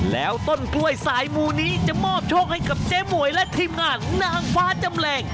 แล้วต้นกล้วยสายมูนี้จะมอบโชคให้กับเจ๊หมวยและทีมงานนางฟ้าจำแรง